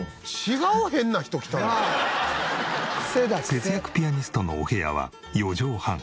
節約ピアニストのお部屋は４畳半。